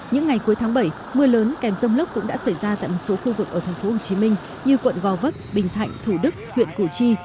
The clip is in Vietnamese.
những ngày cuối tháng bảy mưa lớn kèm rông lốc cũng đã xảy ra tại một số khu vực ở thành phố hồ chí minh như quận gò vấp bình thạnh thủ đức huyện củ chi